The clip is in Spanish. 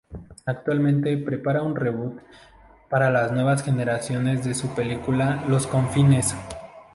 Actualmente prepara un reboot para las nuevas generaciones de su película Los Confines.